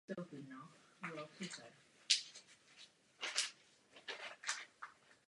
Hokejovou kariéru zakončil jednou sezónou v druholigovém Slovanu Hodonín.